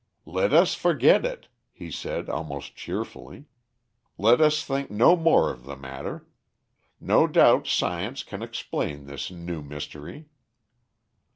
"Let us forget it," he said almost cheerfully. "Let us think no more of the matter. No doubt, science can explain this new mystery."